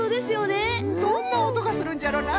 どんなおとがするんじゃろなあ。